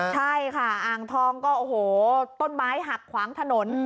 ใช่ค่ะอ่างทองก็โอ้โหต้นไม้หักขวางถนน